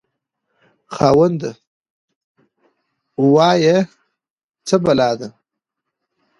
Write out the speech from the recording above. خاوند: وایه څه بلا ده؟